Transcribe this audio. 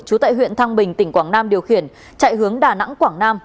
trú tại huyện thăng bình tỉnh quảng nam điều khiển chạy hướng đà nẵng quảng nam